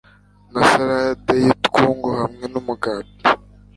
na salade yutwungu hamwe numugati